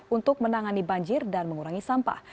untuk menangani banjir dan mengurangi sampah